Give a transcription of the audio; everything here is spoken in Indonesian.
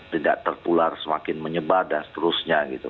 tidak tertular semakin menyebar dan seterusnya gitu